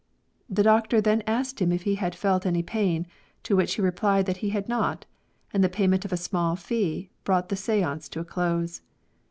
The doctor then asked him if he had felt any pain, to which he replied that he had not, and the payment of a small fee brought the seance to a close.